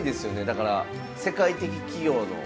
だから世界的企業の。